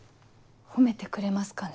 褒めてくれますかね？